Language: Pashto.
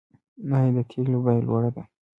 آیا د تیلو بیه لوړه ده؟